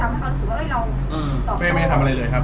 เบ้ยือไม่ได้ทำอะไรครับ